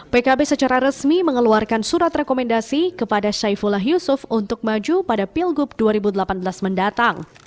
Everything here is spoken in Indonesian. pkb secara resmi mengeluarkan surat rekomendasi kepada saifullah yusuf untuk maju pada pilgub dua ribu delapan belas mendatang